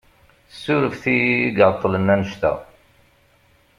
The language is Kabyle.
Surfet-iyi i iεeṭṭlen annect-a.